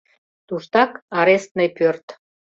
Туштак арестный пӧрт.